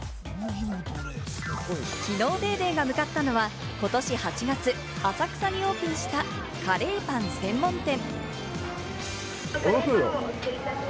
きのう『ＤａｙＤａｙ．』が向かったのはことし８月、浅草にオープンしたカレーパン専門店。